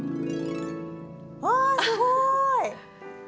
あすごい！